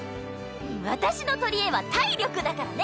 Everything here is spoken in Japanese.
私の取り柄は体力だからね。